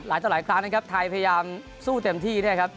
หลายต่อหลายครั้งนะครับไทยพยายามสู้เต็มที่เนี่ยครับ